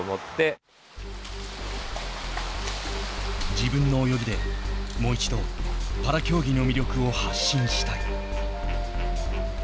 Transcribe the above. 自分の泳ぎで、もう一度パラ競技の魅力を発信したい。